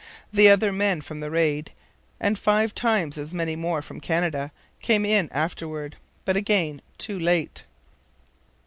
The other men from the raid, and five times as many more from Canada, came in afterwards. But again too late.